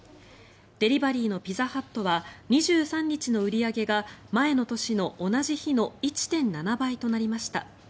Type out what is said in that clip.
デリバリーのピザハットは２３日の売り上げが前の年の同じ日の１．７倍となりました。